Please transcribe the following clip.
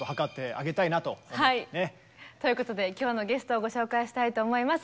ということで今日のゲストをご紹介したいと思います。